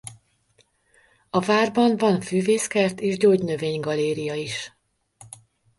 A várban van füvészkert és gyógynövény galéria is.